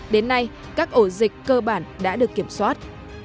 đến nay các ổ dịch cơ bản đã được kiểm soát